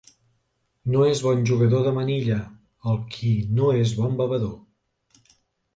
No és bon jugador de manilla el qui no és bon bevedor.